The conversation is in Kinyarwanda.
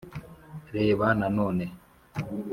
Reba nanone